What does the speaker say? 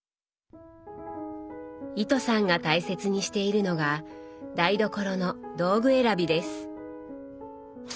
糸さんが大切にしているのが台所の道具選びです。